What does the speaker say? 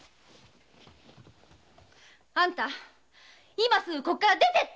今すぐここから出てって‼